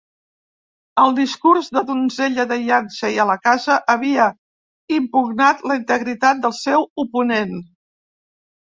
Al discurs de donzella de Yancey a la casa, havia impugnat la integritat del seu oponent.